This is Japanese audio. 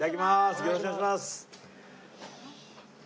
よろしくお願いします。